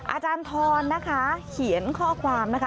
อาจารย์ทรนะคะเขียนข้อความนะคะ